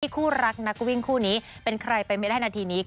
คู่รักนักวิ่งคู่นี้เป็นใครไปไม่ได้นาทีนี้